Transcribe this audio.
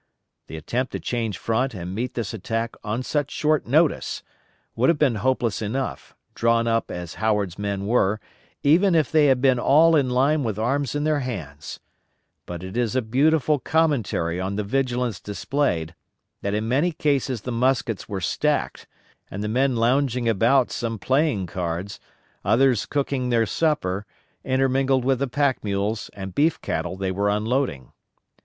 The attempt to change front and meet this attack on such short notice would have been hopeless enough, drawn up as Howard's men were, even if they had been all in line with arms in their hands; but it is a beautiful commentary on the vigilance displayed, that in many cases the muskets were stacked, and the men lounging about some playing cards, others cooking their supper, intermingled with the pack mules and beef cattle they were unloading.